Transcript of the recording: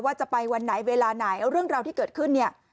จะไปวันไหนเวลาไหนเอาเรื่องราวที่เกิดขึ้นเนี่ย